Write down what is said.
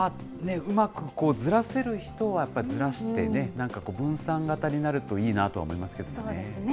うまくずらせる人は、やっぱりずらしてね、なんかこう、分散型になるといいなと思いますけどね。